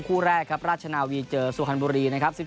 คู่แรกครับราชนาวีเจอสุพรรณบุรีนะครับ